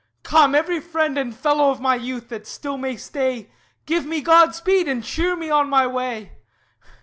Come, every friend And fellow of my youth that still may stay, Give me god speed and cheer me on my way.